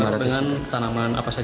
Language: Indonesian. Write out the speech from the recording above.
lima ratus dengan tanaman apa saja